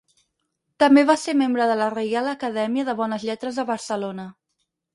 També va ser membre de la Reial Acadèmia de Bones Lletres de Barcelona.